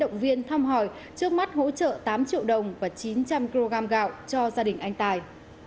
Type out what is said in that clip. động viên thăm hỏi trước mắt hỗ trợ tám triệu đồng và chín trăm linh kg gạo cho gia đình anh tài